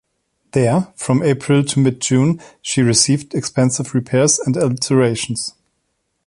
There, from April to mid-June, she received extensive repairs and alterations.